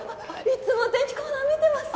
いつもお天気コーナー見てます！